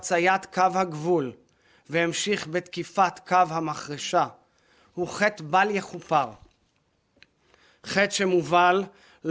tetapi juga oleh pencipta resah yang berasal di iran dan bergurauan bergerak kembali kembali